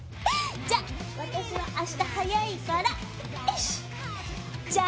じゃあ私は明日早いからよいしょ！